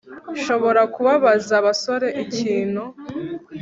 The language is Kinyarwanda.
Nshobora kubabaza abasore ikintu